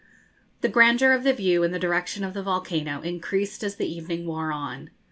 The grandeur of the view in the direction of the volcano increased as the evening wore on.